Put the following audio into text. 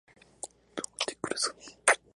Nació en Kent.